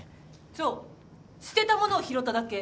そう捨てたものを拾っただけ。